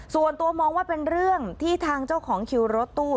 ส่วนตัวมองว่าเป็นเรื่องที่ทางเจ้าของคิวรถตู้